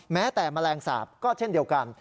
แม้แต่แมลงสาปก็เช่นเดียวกัน